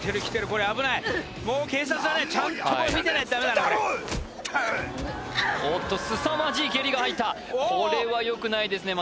これ危ないもう警察はねちゃんと見てないとダメだなおっとすさまじい蹴りが入ったこれはよくないですね